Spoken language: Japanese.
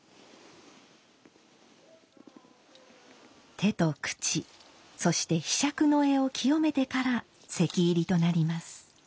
手と口そして柄杓の柄を清めてから席入りとなります。